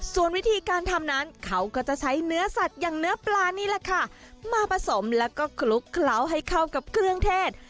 ส่วนวิธีการทำนั้นเขาก็จะใช้เนื้อสัตว์อย่างเนื้อปลานี่แหละค่ะมาผสมแล้วก็คลุกเคล้าให้เข้ากับเครื่องเทศ